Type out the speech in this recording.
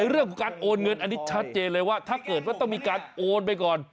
เรื่องของการโอนเงินอันนี้ชัดเจนเลยว่าถ้าเกิดว่าต้องมีการโอนไปก่อน